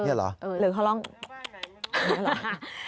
นี่เหรอหรือเขาลองนี่เหรอ